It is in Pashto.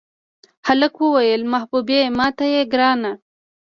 هلک ووې محبوبې ماته یې ګرانه.